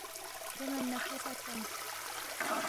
دے من نہ کھو سہ تھونس